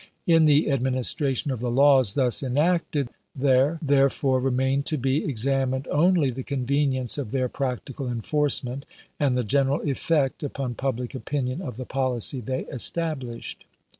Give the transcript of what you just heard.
In the administration of the laws thus enacted there therefore remained to be examined only the convenience of their practical enforcement and the general effect upon public opinion of the policy they established.